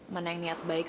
mana yang niat baik